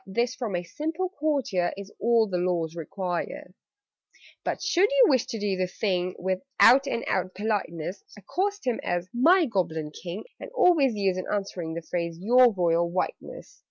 This, from a simple courtier, Is all the Laws require_: "_But, should you wish to do the thing With out and out politeness, Accost him as 'My Goblin King!' And always use, in answering, The phrase 'Your Royal Whiteness!'